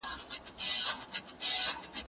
هغه وويل چي ليکنې ضروري دي،